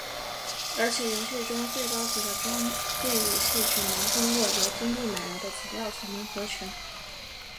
而且游戏中最高级的装备武器只能通过由金币买来的材料才能合成。